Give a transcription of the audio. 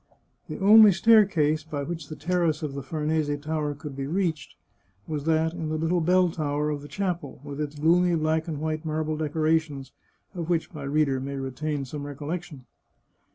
The only staircase by which the terrace of the Farnese Tower could be reached was that in the little bell tower of the chapel, with its gloomy black and white marble decorations, of which my reader may retain some recollection.